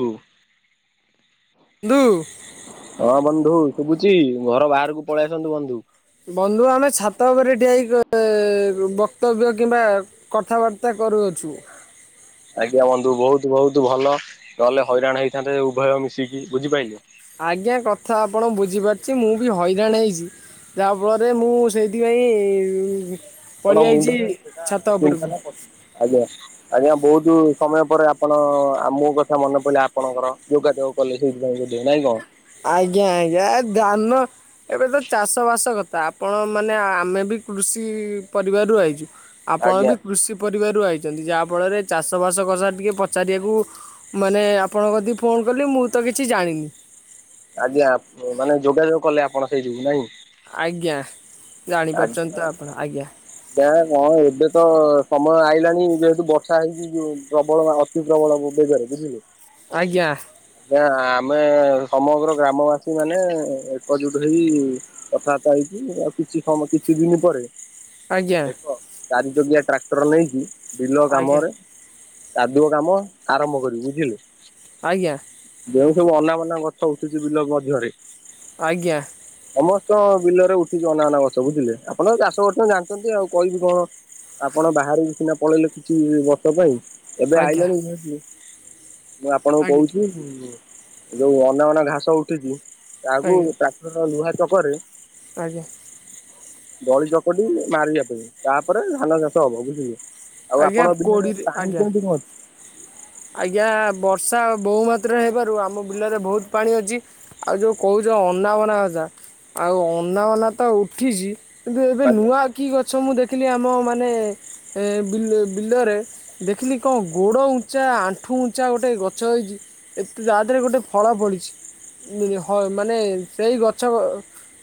ହୁ [unintelligible] ଦୁଇ [unintelligible] ହଁ ବନ୍ଧୁ ଶୁଭୁଛି, ଘର ବାହାରକୁ ପଳେଇ ଆସନ୍ତୁ ବନ୍ଧୁ। ବନ୍ଧୁ ଆମେ ଛାତ ଉପରେ ଠିଆ ହେଇକି ବକ୍ତବ୍ୟ କିମ୍ବା କଥାବାର୍ତ୍ତା କରୁଅଛୁ। ଆଜ୍ଞା ବନ୍ଧୁ, ବହୁତ ବହୁତ ଭଲ। ନହେଲେ ହଇରାଣ ହେଇଥାନ୍ତେ ଉଭୟ ମିଶିକି ବୁଝିପାରିଲେ? ଆଜ୍ଞା କଥା ଆପଣଙ୍କ ବୁଝିପାରୁଛି, ମୁଁ ବି ହଇରାଣ ହେଇଛି। ଯାହା ଫଳରେ ମୁଁ ସେଇଥିପାଇଁ କଣ ପଳିଆଇଛି ମୁଣ୍ଡରେ ସେଟା ଛାତ ଉପରକୁ। ଚିନ୍ତାଟା କରୁଛ, ଆଜ୍ଞା। ଆଜ୍ଞା ବହୁତ ସମୟ ପରେ ଆପଣ ଆମ କଥା ମନେ ପଡିଲେ ଆପଣଙ୍କର ଯୋଗାଯୋଗ। କଲେଜ ସେଇଥିପାଇଁ ଯାଇଥିବେ ନାଇଁ କଣ? ଆଜ୍ଞା ଆଜ୍ଞା, ଧାନ ଏବେ ତ ଚାଷ ବାସ କଥା, ଆପଣ ମାନେ ଆମେ ବି କୃଷି ପରିବାର ର ଆଇଛୁ। ଆପଣ ଆଜ୍ଞା ବି କୃଷି ପରିବାରରୁ ଆଇଛନ୍ତି ଯାହାଫଳରେ ଚାଷବାସ କଥା ଟିକେ ପଚାରିବାକୁ ମାନେ ଆପଣଙ୍କକତିକିଫୋନ୍ କଲି ମୁଁ ତ କିଛି ଜାଣିନି। ଆଜ୍ଞା ମାନେ ଯୋଗାଯୋଗ କଲେ ଆପଣ ସେଇ ଯୋଗୁ ନାହିଁ? ଆଜ୍ଞା ଜାଣିପାରୁଛନ୍ତି ତ ଆପଣ, ଆଜ୍ଞା। ଏବେ ତ ସମୟ ଆଇଲାଣି ଯେହେତୁ ବର୍ଷା ହେଇକି ଯୋଉ ପ୍ରବଳ ଦିନବେଳା ବିବେଇଲାଣି ବୁଝିଲୁ। ଆଜ୍ଞା। ନା ଆମେ ସମଗ୍ର ଗ୍ରାମବାସୀ ମାନେ ଏକଜୁଟ ହେଇ କଥାବାର୍ତ୍ତା ହେଇକି ଆଉ କିଛି ସମୟ କିଛି ଦିନ ପରେ ଆଜ୍ଞା ଏକ ଚାରି ଚକିଆ ଟ୍ରାକ୍ଟର ନେଇକି ବିଲ ଆଜ୍ଞା କାମରେ କାଦୁଅ କାମ ଆରମ୍ଭ କରିବୁ ବୁଝିଲୁ। ଆଜ୍ଞା। ଯେଉଁ ସବୁ ଅନା ବନା ଗଛ ଉଠୁଛି ବିଲ ମଧ୍ୟରେ। ଆଜ୍ଞା ସମସ୍ତ ବିଲରେ ଉଠିଛି ଅନା ଅନା ଗଛ ବୁଝିଲେ ଆପଣ ଚାଷ କରିଛନ୍ତି ଜାଣି ଛନ୍ତି ଆଉ କହିବି କଣ ଆପଣ ବାହହାରକୁ ସିନା ପଳେଇଲେ କିଛି ବର୍ଷ ପାଇଁ। ଏବେ ଆଜ୍ଞା ଆଇିଲଣି [unintelligible] ମୁଁ ଆପଣଙ୍କୁ ଆଜ୍ଞା କହୁଛି ଯୋଉ ଅନା ବନା ଘାସ ଉଠୁଛି ତାହାକୁ ଆଜ୍ଞା ଟ୍ରା କ୍ଟର ଲୁହା ଚକରେ ଆଜ୍ଞା ଦଳି ଚକଟି ମାରିବା ପାଇଁ ତାପରେ ଧାନ ଚାଷ ହବ ବୁଝିଲ। ଆଉ ଆଜ୍ଞା ଆପଣ ବିଲରେ କୋଡ଼ିରେ ପାଣି ଆଜ୍ଞା କେମିତି ରୁହନ୍ତି? ଆଜ୍ଞା ବର୍ଷା ବହୁ ମାତ୍ରାରେ ହେବାରୁ ଆମ ବିଲରେ ବହୁତ ପାଣି ଅଛି। ଆଉ ଯୋଉ କହୁଛ ଅନା ବନା କଥା ଆଉ ଅନା ବନା ତ ଉଠିଛି। କିନ୍ତୁ ଏବେ ଅଛି? ନୂଆ କି ଗଛ ମୁଁ ଦେଖିଲି ଆମ ମାନେ ଏ ବିଲ୍ ବିଲରେ ଦେଖିଲି କଁ ଗୋଡ଼ ଉଞ୍ଚା, ଆଣ୍ଠୁ ଉଞ୍ଚା ଗୋଟେ ଗଛ ହେଇଛି। ଏତେ ତା ଦେହରେ ଗୋଟେ ଫଳ ପଡିଛି। ହ ମାନେ ସେଇ ଗଛ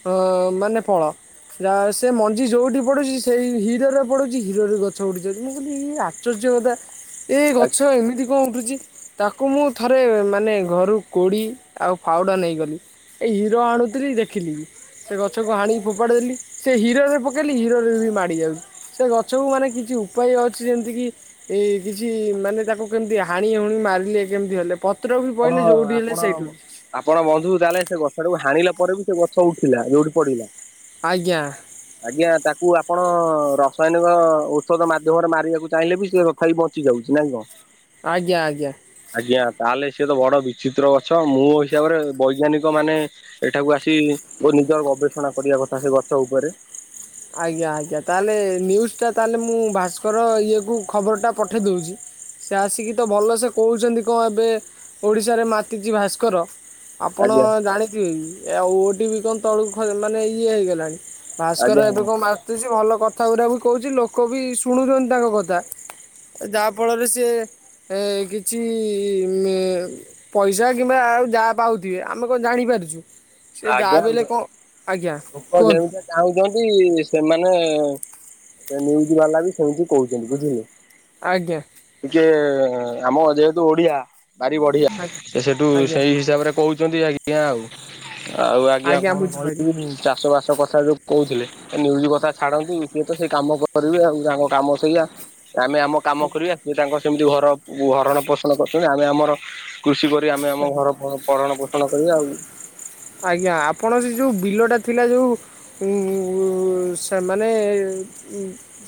ହଁ ମାନେ ଫଳ। ଯା ସେ ମଞ୍ଜି ଯୋଉଠି ପଡୁଛି ସେଇ ହିରରେ ପଡୁଛି ହିରରେ ଗଛ ଉଡୁଛି। ଯଦି ମୁଁ କହିଲି ଇ ଆଶ୍ଚର୍ଯ୍ୟ କଦା ଏ ଆଜ୍ଞା ଗଛ ଏମିତି କଣ ଉଠୁଛି! ତାକୁ ମୁଁ ଥରେ ମାନେ ଘରୁ କୋଡ଼ି ଆଉ ଫାଉଡ଼ା ନେଇଗଲି। ଏ ହିର ଆଣୁଥିଲି ଦେଖିଲି। ସେ ଗଛକୁ ହାଣିକି ଫୋପାଡି ଦେେଲି ସେ ହିର ରେ ପକେଇଲି ହିରରେ ବି ମାଡି ଯାଉଛି। ସେ ଗଛ କୁ ମାନେ କିଛି ଉପ ଉପାୟ ଅଛି ଯେମିତି କି ଏ କିଛି ମାନେ ତାକୁ କେମତି ହାଣି ହୁଣି ମାରିଲେ କେମିତି ହେଲେ ପତ୍ର ବି ଆପଣ ପହିଲେ ଯେଉଁଠି ହେଲେ ଆପଣ ସେଇଠି ଉଠୁଛି। ଆପଣ ବନ୍ଧୁ ତାହେଲେ ସେ ଗଛ ଟାକୁ ହାଣିଲା ପରେ ବି ସେ ଗଛ ଉଠିଲା ଯୋଉଠି ପଡିଲା? ଆଜ୍ଞା ଆଜ୍ଞା ତାକୁ ଆପଣ ରାସାୟନିକ ଔଷଧ ମାଧ୍ୟମରେ ମାରିବାକୁ ଚାହିଁଲେ ବି ସେ ଖଇ ବଞ୍ଚ ବଞ୍ଚିଯାଉଛି ନାଇଁ କଣ? ଆଜ୍ଞା ଆଜ୍ଞା ଆଜ୍ଞା ତାହେଲେ ସିଏ ତ ବଡ ବିଚିତ୍ର ଗଛ। ମୋ ହିସାବରେ ବୈଜ୍ଞାନିକ ମାନେ ଏଠାକୁ ଆସି ଓ ନିଜ ଗବେଷଣା କରିବା କଥା ସେ ଗଛ ଉପରେ। ଆଜ୍ଞା ଆଜ୍ଞା ତା ହେଲେ ନ୍ୟୁଜ୍ ଟା ତା ହେଲେ ମୁଁ ଭାସ୍କର ଇଏକୁ ଖବରଟା ପଠେଇ ଦୋଉଛି। ସେ ଆସିକି ତ ଭଲସେ କହୁଛନ୍ତି କଁ ଏବେ ଓଡ଼ିଶାରେ ମାତିଛି ଭାସ୍କର। ଆପଣ ଆଜ୍ଞା ଜାଣିଥିବେ ଆଉ ଓଟି ବି କଣ ତଳକୁ ମାନେ ଇଏ ହେଇଗଲାଣି। ଭା ଆଜ୍ଞା ସ୍କର ଏବେ ଆଜ୍ଞା କଣ ମାତୁଛି ଭଲ କଥା ଗୁଡା ବି କହୁଛି ଲୋକ ବି ଶୁଣୁଛନ୍ତି ତାଙ୍କ କଥା। ଯାହାଫଳରେ ସେ ଏ କିଛି ମେ ପଇସା କିମ୍ବା ଆଉ ଯାହା ପାଉଥିବେ ଆମେ କଣ ଜାଣିପାରୁଛୁ। ସେ ଯାହା ଆଜ୍ଞା ବିଲେ କଣ ଆଜ୍ଞା ଲୋକ କୁହନ୍ତୁ ଯେମିତି ଆ ଚାହୁଁଛନ୍ତି ସେମାନେ ସେ ନ୍ଯୁଜ ବାଲା ବି ସେମିତି କହୁଛନ୍ତି ବୁଝିଲେ। ଆଜ୍ଞା ଟିକେ ଆମ ଯେହେତୁ ଓଡିଆ ବାରି ବଢିଆ ଆଜ୍ଞା। ସେ ସେଠୁ ଆଜ୍ଞା ସେଇ ହିସାବରେ କହୁଛନ୍ତି ଆଜ୍ଞା ଆଉ। ଆଉ ଆଜ୍ଞା କଣ କହିବିନି ଚାଷ ବାସ କଥା ଯୋଉ କହୁଥିଲେ। ନିଉଜ କଥା ଛାଡନ୍ତି। କିଏ ତ ସେଇ କାମ କରିବେ ଆଉ ତାଙ୍କ କାମ ସେଇଆ ଆମେ ଆମ କାମ ଆଜ୍ଞା କରିବା ସେ ତାଙ୍କ ସେମିତି ଘର ହରଣ ପୋଷଣ କରୁଛନ୍ତି ଆମେ ଆମର କୃଷି କରି ଆମେ ଆମ ଆଜ୍ଞା। ଘର ପଣ ପୋଷଣ କରି ଆଉ। ଆଜ୍ଞା ଆପଣ ସେ ଯୋଉ ବିଲ ଟା ଥିଲା ଯୋଉ ଉଁ ସେମାନେ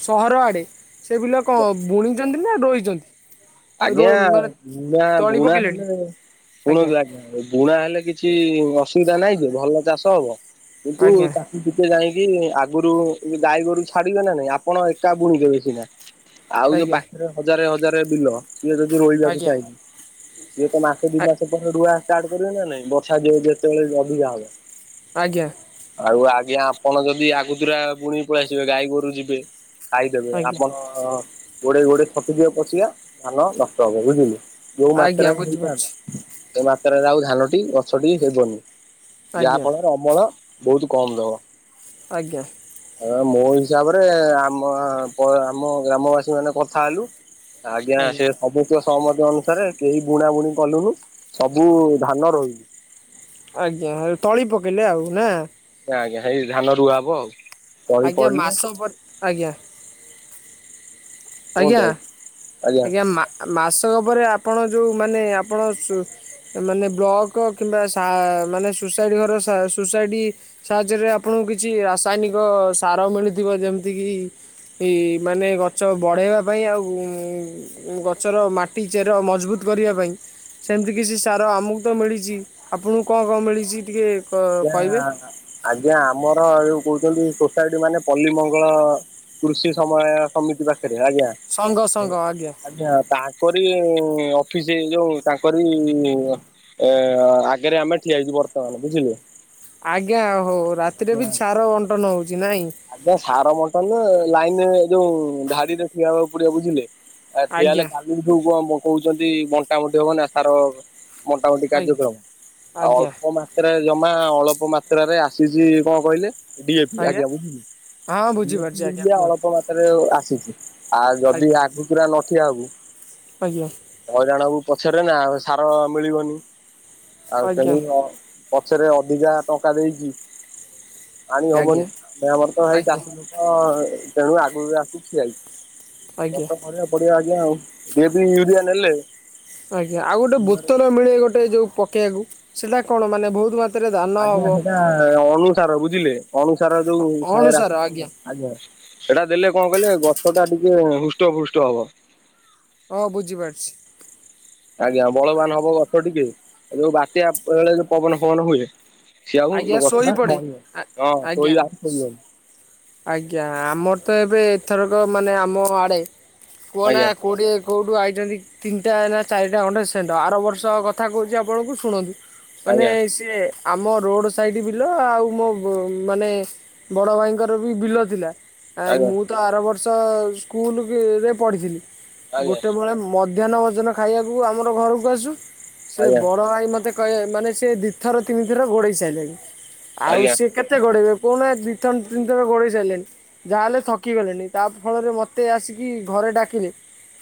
ସହର ଆଡ଼େ ସେବିଲ କଣ ବୁଣିଛନ୍ତି ନା ରୋଇଛନ୍ତି? ରୋ ଆଜ୍ଞା ମାନେ ବୁଣା ତଳି ବୁଣା ପକେଇଲେଣି ହେଲେ ଶୁଣନ୍ତୁ ଆଜ୍ଞା। ବୁଣା ହେଲେ କିଛି ଅସୁବିଧା ନାହିଁ ଯେ ଭଲ ଚାଷ ହବ କିନ୍ତୁ ଆଜ୍ଞା ତା ଟିକେ ଯାଇକି ଆଗରୁ ଗାଈ ଗୋରୁ ଛାଡିବେ ନା ନାଇଁ ଆପଣ ଏକା ବୁଣିିଦେବେ ସିନା ଆଉ ଯୋଉ ଆଜ୍ଞା ପାଖରେ ହଜାରେ ହଜାରେ ବିଲ ସିଏ ଯଦି ରୋଇିବାକୁ ଆଜ୍ଞା। ଚାହିଁନି ସିଏ ତ ମାସ ଦି ମାସ ପରେ ରୁଆ ଷ୍ଟାର୍ଟ କରିବେ ନା ନାଇଁ ବର୍ଷା ଯେତେବେଳେ ଅଧିକା ହବ। ଆଜ୍ଞା। ଆଉ ଆଜ୍ଞା ଆପଣ ଯଦି ଆଗତୁରା ବୁଣିକି ପଳେଇ ଆସିବେ ଗାଈ ଗୋରୁ ଯିବେ। ଖାଇଦେବେ ଆଜ୍ଞା ଆପଣ ଗୋଡେଇ ଗୋଡେଇ ଥକି ଯିବେ ପଛିକା ଧାନ ନଷ୍ଟ ହବ ବୁଝିଲେ? ଯଉ ଆଜ୍ଞା ମାତ୍ରାରେ ବୁଝିପାରୁଛି ହେଇଥାନ୍ତା ସେ ମାତ୍ରାରେ ଆଉ ଧାନଟି ଗଛଟି ହେବନି ଯାହା ଆଜ୍ଞା ଫଳରେ ଅମଳ ବହୁତ କମ ଦବ। ଆଜ୍ଞା। ମୋ ହିସାବରେ ଆମ ପ ଆମ ଗ୍ରାମବାସୀ ମାନେ କଥା ହେଲୁ ଆଜ୍ଞା ସେ ସବୁନ୍ତକ ସହମତି ଅନୁସାରେ କେହି ବୁଣା ବୁଣି କଲୁନୁ ସବୁ ଧାନ ରୋଇଲୁ। ଆଜ୍ଞା ହେଠୁ ତଳି ପକେଇଲେ ଆଉ ନା? ଆଜ୍ଞା ଆଜ୍ଞା ହେଇ ଧାନ ରୁଆ ହବ ଆଉ। ତଳି ଆଜ୍ଞା ପଡିଲେ ମାସ ପ ଆଜ୍ଞା କୁହନ୍ତୁ ଆଜ୍ଞା ଆଉ ଆଜ୍ଞା ମା ମାସକ ପରେ ଆପଣ ଯଉ ମାନେ ଆପଣ ମାନେ ବ୍ଲକ କିମ୍ବା ସା ମାନେ ସୋସାଇଟି ଘର ସୋସାଇଟି ସାହାଯ୍ୟରେ ଆପଣଙ୍କୁ କିଛି ରାସାୟନିକ ସାର ମିଳୁଥିବ ଯେମିତି କିି କି ମାନେ ଗଛ ବଢ଼େଇବା ପାଇଁ ଆଉ ଗଛର ମାଟି ଚେର ମଜବୁତ କରିବା ପାଇଁ ସେମିତି କିଛି ସାର ଆମକୁ ତ ମିଳିଛି ଆପଣଙ୍କୁ କଣ କଣ ମିଳିଛି ଟିକିଏ ଆଜ୍ଞା ଆଜ୍ଞା ଆମର ଯୋଉ କହୁଛନ୍ତି ସୋସାଇଟି ମାନେ ପଲ୍ଲୀ ମଙ୍ଗଳ କୃଷି ସମବାୟ ସମିତି ପାଖରେ ଆଜ୍ଞା ସଂଘ ସଂଘ ଆଜ୍ଞା ତାହା କରି ଅଫିସ ଏଇ ଯୋଉ ତାଙ୍କରି ଏ ଆଗରେ ଆମେ ଠିଆ ହେଇଛୁ ବର୍ତ୍ତମାନ ବୁଝିଲେ? ଆଜ୍ଞା ହଉ ରାତିରେ ଆଜ୍ଞା ବି ସାର ବଣ୍ଟନ ହଉଛି ନାଇଁ? ଆଜ୍ଞା ସାର ବଣ୍ଟନ ଲାଇନରେ ଯୋଉ ଧାଡିରେ ଠିଆହବାକୁ ପଡିବ ବୁଝିଲେ? ଆ ଠିଆ ହେଲେ ଆଜ୍ଞା କାଲିକି ଯୋଉ କଣ କହୁଛନ୍ତି ବଣ୍ଟାବଣ୍ଟି ହବ ନା ସାର ବଣ୍ଟା ବଣ୍ଟି ଆଜ୍ଞା କାର୍ଯ୍ୟକ୍ରମ ଆଉ ଆଜ୍ଞା ଅଳ୍ପ ମା ହେରା ଜମା ଅଳପ ମାତ୍ରାରେ ଆସିଛି କଣ କହିଲେ ଡିଏଫି ଆଜ୍ଞା ବୁଝିଲେ? ହଁ ଡ଼ିଏଫି ବୁଝିପାରୁଛି [inaudible] ଆଜ୍ଞା ଅଳପ କୁହନ୍ତୁ ଅଳପ ମାତାରେ ଆସିଛି ଆଉ ଯଦି ଆଜ୍ଞା ଆଗତୁରା ନଠିଆ ହବୁ ଆଜ୍ଞା ହଇରାଣ ହବୁ ପଛରେ ନା ସାର ମିଳିବନି ଆଉ ଆଜ୍ଞା ତେଣୁ ଅ ପଛରେ ଅଧିକା ଟଙ୍କା ଦେଇଛି ଆଣି ଆଜ୍ଞା ହବନି ଆମେ ଆମର ତ ହେଇ ଆଜ୍ଞା ଚାଷିବୁ ହଁ ତେଣୁ ଆଗରୁ ବି ଆସୁଛି ଆଜ୍ଞା ଆଇଛି। ପଡିଆ ପଡିଆ ଆଜ୍ଞା ଆଉ ଡ଼ିଏବି ୟୁରିଆ ନେଲେ ଆଜ୍ଞା ଆଉ ଗୋଟେ ବିଲରେ ବୋତଲ ମିଳେ ଗୋଟେ ଯଉ ପକେଇବାକୁ ସେଇଟା କଣ ମାନେ ବହୁତ ମାତ୍ରାରେ ଧାନ ଆଜ୍ଞା ହବ ସେଟା ଅଣୁସାର ବୁଝିଲେ ଅନୁସାର ଯୋଉଥାଏ ରାସାୟନିକ ଆଜ୍ଞା ସେଟା ଦେଲେ କଣ କହିଲେ ଗଛ ଟା ଟିକେ ହୃଷ୍ଟ ପୃଷ୍ଟ ହବ। ହଓହ ବୁଝିପାରୁଛି। ଆଜ୍ଞା ବଳବାନ ହବ ଗଛ ଟିକେ ଯୋଉ ବାତ୍ୟା ବେଳେ ଯୋଉ ପବନ ଫବନ ହୁଏ ସିଏ ଆଉ ଆଜ୍ଞା ଗଛଟା ନଁ ଶୋଇପଡେ ହଁ ଶୋଇବା ଆଜ୍ଞା ଆଉ ଶୋଇିବନି ଆଜ୍ଞା ଆମର ତ ଏବେ ଏଥରକ ମାନେ ଆମ ଆଡ଼େ କୁହନା ଆଜ୍ଞା କୋଉଠି କେଉଁଠୁ ଆଇଛନ୍ତି ତିନିଟା ନା ଚାରିଟା ଖଣ୍ଣ୍ଡେ ସେଣ୍ଟ ଆର ବର୍ଷ କଥା କହୁଛି ଆପଣଙ୍କୁ ଶୁଣନ୍ତୁ ମାନେ ଆଜ୍ଞା ସିଏ ଆମ ରୋଡ ସାଇଡ ବିଲ ଆଉ ମୋ ମାନେ ବଡ ଭାଇଙ୍କ ମର ବି ବିଲ ଥିଲା ଆଜ୍ଞା ମୁଁ ତ ଆର ବର୍ଷ ସ୍କୁଲରେ ପଢ଼ିଥିଲି ଆଜ୍ଞା ଗୋଟେ ବେଳେ ମଧ୍ୟାହ୍ନ ଭୋଜନ ଖାଇବାକୁ ଆମର ଘରକୁ ଆସୁ ସେ ଆଜ୍ଞା ବଡ଼ ଭାଇ ମୋତେ। କହ ମାନେ ସେ ଦିଥର ତିନିଥର ଗୋଡେଇ ସାରିଲେଣି ଆଉ ଆଜ୍ଞା ସିଏ କେତେ। କେତେ ଗୋଡ଼େଇବେ କହୁନା ଦି ଥର ତିନି ଗୋଡେଇ ସାରିଲେଣି ଯାହା ହେଲେ ଥକି ଗଲେଣି ତା ଫଳରେ ମୋତେ ଆସିକି ଘରେ ଡାକିଲେ।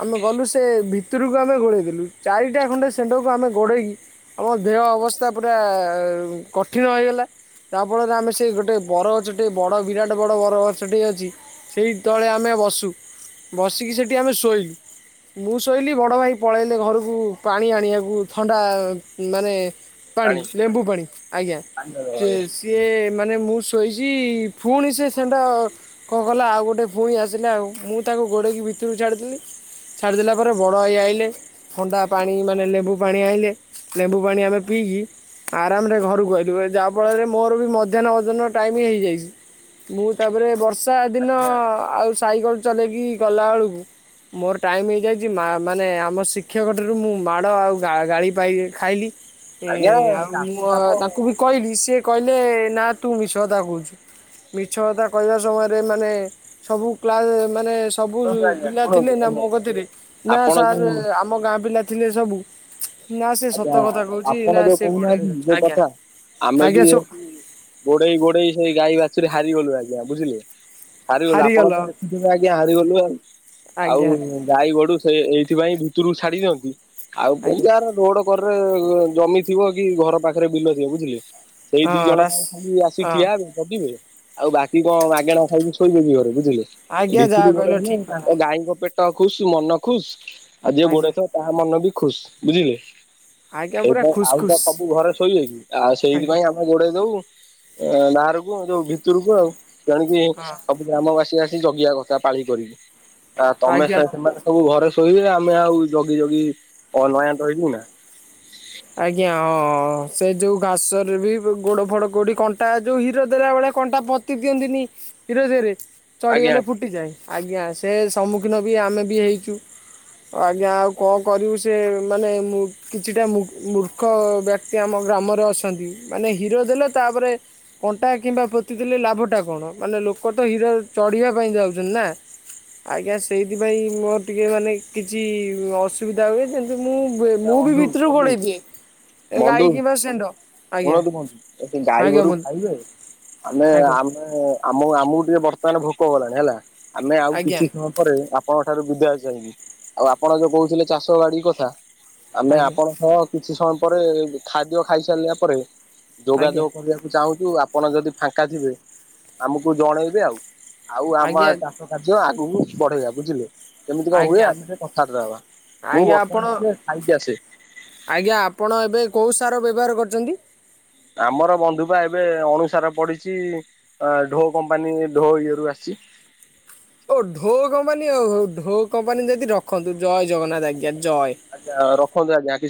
ଆମେ ଗଲୁ ସେ ଭିତରକୁ ଆମେ ଗୋଡ଼େଇ ଦେଲୁ ଚାରି ଟା ଖଣ୍ଡେ ସେଣ୍ଡ କୁ ଆମେ ଗୋଡ଼େଇକି ଆମ ଦେହ ଅବସ୍ଥା ପୁରା କଠିନ ହୋଇଗଲା। ତା ଫଳରେ ଆମେ ସେଇ ଗୋଟେ ବରଗଛ ଟେ ବଡ଼ ବିରାଟ ବଡ଼ ବର ଗଛ ଟି ଅଛି ସେଇ ତଳେ ଆମେ ବସୁ। ବସିକି ସେଠି ଆମେ ଶୋଇଲୁ। ମୁଁ ଶୋଇଲି ବଡ଼ ଭାଇ ପଳେଇ ଲେ ଘରକୁ ପାଣି ଆଣିବାକୁ ଥଣ୍ଡା ମାନେ ପାଣି ଲେମ୍ବୁ ପାଣି ଆଜ୍ଞା ସେ ଆଜ୍ଞା ସିଏ ମାନେ ମୁଁ ଶୋଇଛି ଫୁଣି ସେ ଷେଣ୍ଢ କଣ କଲା ଆଉ ଗୋଟେ ଫୁଣି ଆସିଲା ଆଉ ମୁଁ ତାକୁ ଗୋଡ଼େଇକି ଭିତରୁକୁ ଛାଡ଼ିଦେିଲି। ଛାଡ଼ି ଦେଲା ପରେ ବଡ଼ ଭାଇ ଆଇଲେ। ଥଣ୍ଡା ପାଣି ମାନେ ଲେମ୍ବୁ ପାଣି ଆଇଁଲେ ଲେମ୍ବୁ ପାଣି ଆମେ ପିଇକି ଆରାମ୍ ରେ ଘର କୁ ଆଇଲୁ ଯାହା ଫଳରେ ମୋର ବି ମଧ୍ୟାହ୍ନ ଭୋଜନ୍ ଟାଇମ୍ ହେଇଯାଇଛି। ମୁଁ ତା ପରେ ବର୍ଷା ଦିନ ଆଉ ସାଇକେଲ୍ ଚଲେଇକି ଗଲା ବେଳକୁ ମୋର ଟାଇମ୍ ହେଇ ଯାଇଛି ମାନେ ଆମ ଶିକ୍ଷକ ଠାରୁ ମୁଁ ମାଡ଼ ଆଉ ଗାଳି ପାଇ ଖାଇଲି। ଏ ଆଜ୍ଞା ଆଉ ଚାଷ ମୁଁ କାମ ତାଙ୍କୁ ବି କହିଲି ସିଏ କହିଲେ ନା ତୁ ମିଛ କଥା କହୁଛୁ। ମିଛ କଥା କହିବା ସମୟ ରେ ମାନେ ସବୁ କ୍ଲାସ୍ ମାନେ ସବୁ ଶୁଣନ୍ତୁ ଆଜ୍ଞା ପିଲା ଶୁଣନ୍ତୁ ଥିଲେ ନାଁ ଆଜ୍ଞା ମୋ କତିରେ ନାଁ ଆପଣ ଯୋଉ ସାରେ ଆମ ଗାଁ ପିଲା ଥିଲେ ସବୁ। ନା ସେ ସତ ଆଜ୍ଞା କଥା କହୁଛି ଆପଣ ନା ଯୋଉ ସେ କହୁ ଗୋଡ଼େଇ ନାହାନ୍ତି ଧରୁଛି ଯୋଉ ଆଜ୍ଞା କଥା ଆମେ ବି ଆଜ୍ଞା ସୋ ଗୋଡେଇ-ଗୋଡେଇ ସେଇ ଗାଈ ବାଛୁରୀ ହାରିଗଲୁ ଆଜ୍ଞା ବୁଝିଲେ। ହାରିଗଲୁ ଆପଣ ହାରିଗଲ ତ ଦେଖୁଥିବେ ଆଜ୍ଞା ହାରିଗଲୁ ଆଉ-ଆଉ। ଆଜ୍ଞା ଗାଈ ଗୋରୁ ସେ ଏଇଥି ପାଇଁ ଭିତରୁକୁ ଛାଡି ଦିଅନ୍ତି ଆଉ କଉ ଆଜ୍ଞା ଗାଁ ର ରୋଡ୍ କରରେ ଜମି ଥିବ କି ଘର ପାଖରେ ବିଲ ଥିବ ବୁଝିଲେ। ସେଇ ଦି ହଁ ଜଣ ରାସ୍ କଣ ଖାଲି ଆସିିକି ହଁ ଠିଆ ହେବେ ଜଗିବେ ଆଉ ବାକି କଣ ମାଗେଣା ଖାଇବେ। ଶୋଇ ଥିଲି ଘରେ ବୁଝିଲେ ଆଜ୍ଞା ଯାହା ଭିତରକୁ ଗୋଟେ କହିଲ ମାନେ ଠିକ କଥା ତାଙ୍କ ଗାଈ ଙ୍କ ପେଟ ଖୁସ୍ ମନ ଖୁସ୍। ଆଉ ଯିଏ ଆଜ୍ଞା ଗୋଡ଼େଇ ଥିବ ତା ମନ ବି ଖୁସ୍ ବୁଝିଲେ। ଆଜ୍ଞା ସେଇ ପୁରା ପାଇଁ ଖୁସ୍ ଆଉ ତ ଖୁସ୍ ସବୁ ଘରେ ଶୋଇବେ କି ଆଉ ସେଇଥି ଆଜ୍ଞା ପାଇଁ ଆ। ଗୋଡ଼େଇ ଦଉ ବାହାରକୁ ଯୋଉ ଭିତରକୁ ଆଉ ଆଣିକି ହଁ ଗ୍ରାମବାସୀ ଆସିିକି ଜଗିବା କଥା ପାଳି କରିକି ଆ ତମେ ଆଜ୍ଞା ସେ ସେମାନେ ସବୁ ଘରେ ଶୋଇବେ ଆମେ ଆଉ ଜଗି ଜଗି ଅ ନୟାନ୍ତ ହେଇଯିବୁ ନା। ଆଜ୍ଞା ହଁ ଅଅ। ସେ ଯୋଉ ଘାସ ରେ ବି ଗୋଡ଼ ଫୋଡ଼ କୋଉଠି କଣ୍ଟା ଯୋଉ ହୀର ଦେଲା ବେଳେ କଣ୍ଟା ପତି ଦିଅନ୍ତି ନି। ହୀର ଧିଅରେ ଆଜ୍ଞା ଚଢ଼ିଗଲେ ଫୁଟିଯାଏ ଆଜ୍ଞା ସେ ସମ୍ମୁଖୀନ୍ ବି ଆମେ ବି ହେଇଛୁ। ଆଜ୍ଞା ଆଉ କଣ କରିବୁ ସେ ମାନେ ମୁଁ କିଛିଟା ମୁଁ ମୂର୍ଖ ବ୍ୟକ୍ତି ଆମ ଗ୍ରାମ ରେ ଅଛନ୍ତି ମାନେ ହୀର ଦେଲେ ତା ପରେ କଣ୍ଟା କିମ୍ବା ପୋତି ଦେଲେ ଲାଭ ଟା କଣ ମାନେ ଲୋକ ତ ହୀରରେ ଚଢ଼ିବା ପାଇଁ ଯାଉଛନ୍ତି ନା। ଆଜ୍ଞା ସେଇଥିପାଇଁ ମୋର ଟିକେ ମାନେ କିଛି ଅସୁବିଧା ଧା ହୁଏ କିନ୍ତୁ ମୁଁ ଆଜ୍ଞା ମୁଁ ବି ବନ୍ଧୁ ଭିତରୁ ବନ୍ଧୁ ପଳେଇ ଆଜ୍ଞା ଶୁଣନ୍ତୁ ବନ୍ଧୁ ଏଠି ଗାଈ ଆଜ୍ଞା ଗୋରୁ ବନ୍ଧୁ ଖାଇବେ ଆମେ ଆଜ୍ଞା ଆମେ ଆମ ଆମକୁ ଟିକେ ବର୍ତ୍ତମାନ ଭୋକ କଲାଣି ହେଲା ଆମେ ଆଉ ଆଜ୍ଞା କିଛି ପରେ ଆପଣଙ୍କ ଠାରୁ ବିଦାୟ ଚାହିଁବି ଆଉ ଆପଣ ଯୋଉ କହୁ ଥିଲେ ଚାଷ ବାଡି କଥା। ଆମେ ଆଜ୍ଞା ଆପଣ ସହ କିଛି ସମୟ ପରେ ଖାଦ୍ୟ ଖାଇ ସାରିଲା ପରେ ଯୋଗା ଆଜ୍ଞା ଯୋଗ କରିବାକୁ ଚାହୁଁଛୁ ଆପଣ ଯଦି ଫାଙ୍କା ଥିବେ ଆମକୁ ଜଣେଇ ବେ ଆଉ। ଆଉ ଆମ ଆଜ୍ଞା ଚାଷ କାର୍ଯ୍ୟ ଆଗକୁ ବଢ଼େଇବା ବୁଝିଲେ। କେମିତି କଣ ହୁଏ ଆଜ୍ଞା ଆମେ ଟିକେ କଥାବାର୍ତ୍ତା ହବା ମୁଁ ଆଜ୍ଞା ଆପଣ ବର୍ତ୍ତମାନ ଟିକେ ଖାଇକି ଆସେ। ଆଜ୍ଞା ଆପଣ ଏବେ କେଉଁ ସାର ବ୍ୟବହାର କରିଛନ୍ତି? ଆମର ବନ୍ଧୁ ବା ଏବେ ଅଣୁସାର ପଡିଚି। ଅ ଢୋ କମ୍ପାନୀ ଢୋ ଇଏ ରୁ ଆସଚି। ଓ ଢୋ କମ୍ପାନୀ ଆଉ ହଉ ଢୋ କମ୍ପାନୀ ଯଦି ରଖନ୍ତୁ ଜୟ ଜଗନ୍ନାଥ ଆଜ୍ଞା ଜୟ। ଆଜ୍ଞା ରଖନ୍ତୁ ଆଜ୍ଞା କି